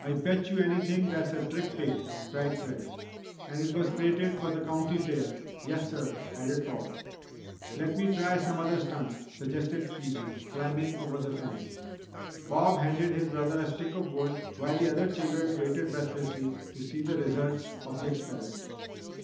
"I bet you anything that's a trick pig!" cried Fred. "And it was crated for the County Fair yes sir!" added Paul. "Let me try some other stunts," suggested Fiji, climbing over the fence. Bob handed his brother a stick of wood while the other children waited breathlessly to see the results of the experiment.